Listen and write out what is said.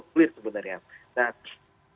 clear sebenarnya nah